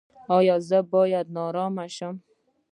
ایا زه باید نارامه شم؟